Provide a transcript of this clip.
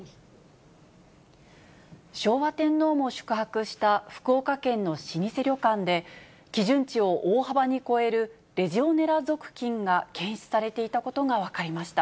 昭和天皇も宿泊した福岡県の老舗旅館で、基準値を大幅に超えるレジオネラ属菌が検出されていたことが分かりました。